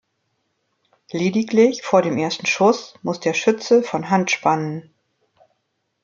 Lediglich vor dem ersten Schuss muss der Schütze von Hand spannen.